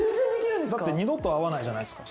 だって二度と会わないじゃないですか